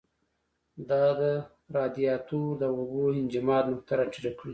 دا د رادیاتور د اوبو انجماد نقطه را ټیټه کړي.